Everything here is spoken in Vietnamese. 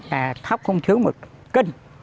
khóc không thiếu một kinh